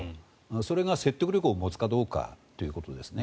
それが説得力を持つかということですね。